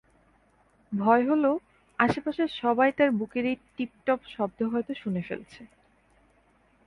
ভয় হল, আশপাশের সবাই তার বুকের এই টিপটপ শব্দ হয়তো শুনে ফেলছে।